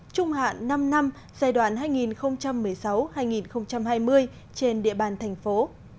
trung hạn năm năm giai đoạn hai nghìn một mươi sáu hai nghìn hai mươi trên địa bàn thành phố